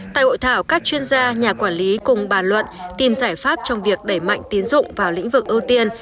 tại hội thảo các chuyên gia nhà quản lý cùng bàn luận tìm giải pháp trong việc đẩy mạnh tiến dụng vào lĩnh vực ưu tiên